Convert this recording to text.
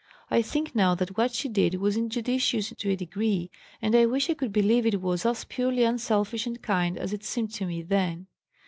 I think now that what she did was injudicious to a degree, and I wish I could believe it was as purely unselfish and kind as it seemed to me then.